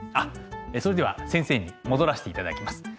それでは先生に戻らせていただきます。